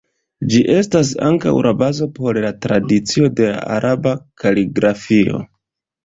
Ĝi estas ankaŭ la bazo por la tradicio de Araba kaligrafio.